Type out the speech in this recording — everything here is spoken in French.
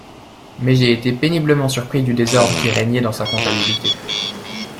Mais j'ai été péniblement surpris du désordre qui régnait dans sa comptabilité.